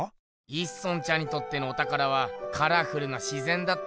一村ちゃんにとってのおたからはカラフルな自ぜんだったんだろ。